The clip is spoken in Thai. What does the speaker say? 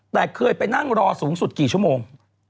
แต่เคยไปนั่งรอสูงสุดกี่ชั่วโมง